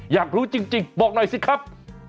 อยากรู้จริงบอกหน่อยสิครับ